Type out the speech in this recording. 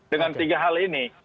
dengan tiga hal ini